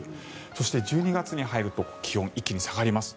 そして、１２月に入ると気温が一気に下がります。